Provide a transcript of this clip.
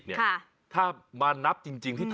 แก้ปัญหาผมร่วงล้านบาท